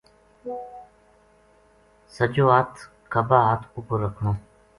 سجو ہتھ کھبا ہتھ اپر رکھنو۔